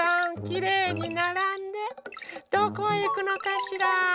きれいにならんでどこへいくのかしら？